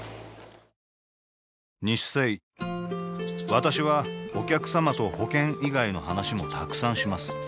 私はお客様と保険以外の話もたくさんします